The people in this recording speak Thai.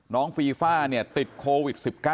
น้องฟีฟ้าเนี่ยติดโควิด๑๙